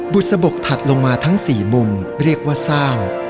บุษบกถัดลงมาทั้ง๔มุมเรียกว่าสร้าง